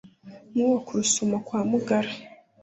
Nk'uwo ku Rusumo kwa Mugara